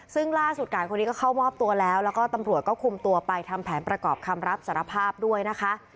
ซึ่งล่าสุดการคนนี้ก็เข้ามอบตัวแล้วแล้วก็ตำรวจก็คุมตัวไปทำแผนประกอบคำรับสารภาพด้วยนะคะ